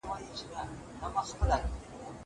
فلسطين كه چيچنيا ده